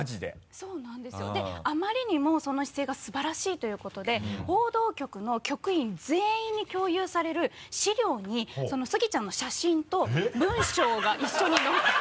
そうなんですよであまりにもその姿勢が素晴らしいということで報道局の局員全員に共有される資料にそのスギちゃんの写真と文章が一緒に載って。